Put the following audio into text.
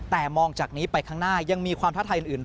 แต่มองจากนี้ไปข้างหน้ายังมีความท้าทายอื่น